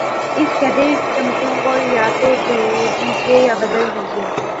ان گدے چمچوں کو یا تو دھو دیجئے یا بدل دیجئے